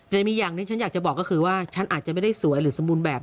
แต่มีอย่างที่ฉันอยากจะบอกก็คือว่าฉันอาจจะไม่ได้สวยหรือสมบูรณ์แบบ